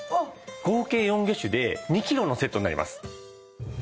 合計４魚種で２キロのセットになります。